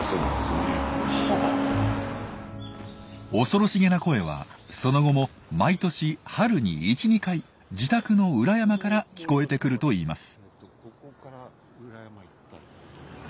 恐ろしげな声はその後も毎年春に１２回自宅の裏山から聞こえてくるといいます。